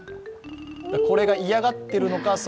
これが嫌がっているのか